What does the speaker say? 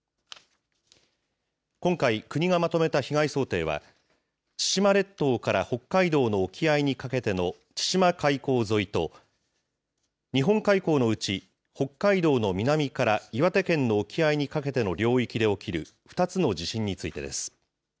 今回、国がまとめた被害想定は、千島列島から北海道の沖合にかけての千島海溝沿いと、日本海溝のうち、北海道の南から岩手県の沖合にかけての領域で起きる２つの地震についてです。